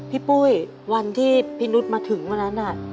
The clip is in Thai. พี่ปุ้ยวันที่พี่นุษย์มาถึงเมื่อนั้น